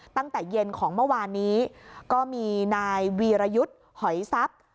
ตั้งแต่เย็นของเมื่อวานนี้ก็มีนายวีรยุทธ์หอยทรัพย์